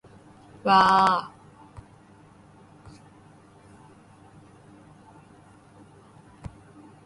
わああああ